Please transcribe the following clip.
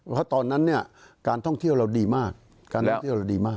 เพราะตอนนั้นเนี่ยการท่องเที่ยวเราดีมาก